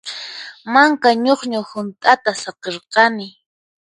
Manka ñuqñu hunt'ata saqirqani.